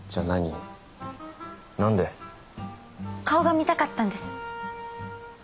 顔が見たかったんです。